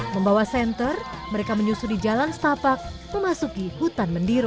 membawa senter mereka menyusu di jalan setapak memasuki hutan mendiro